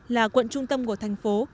là quận trung tâm của thành phố